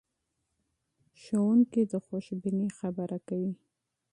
استادان د خوشبینۍ خبره کوي.